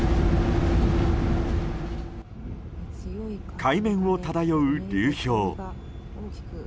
海面を漂う流氷。